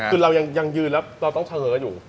คือเรายังยืนแล้วเราต้องเฉลออยู่